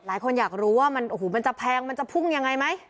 หลายคนอยากรู้ว่ามันโอ้โหมันจะแพงมันจะพุ่งยังไงไหม